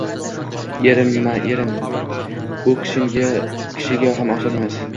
Erimma, erim… U kishiga ham oson emas